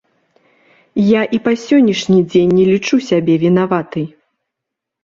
Я і па сённяшні дзень не лічу сябе вінаватай.